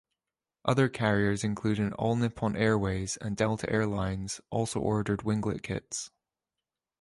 Other carriers including All Nippon Airways and Delta Air Lines also ordered winglet kits.